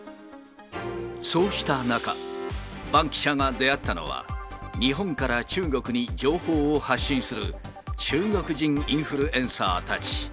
そうした中、バンキシャが出会ったのは、日本から中国に情報を発信する、中国人インフルエンサーたち。